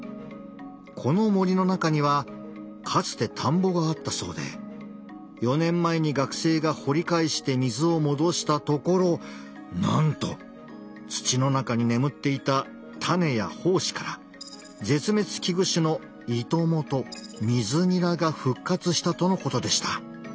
この森の中にはかつて田んぼがあったそうで４年前に学生が掘り返して水を戻したところなんと土の中に眠っていた種や胞子から絶滅危惧種のイトモとミズニラが復活したとのことでした。